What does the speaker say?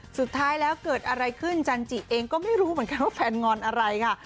สุดท้ายแล้วเกิดอะไรขึ้นจันจิเองก็ไม่รู้เหมือนกันว่าแฟนงอนอะไรค่ะ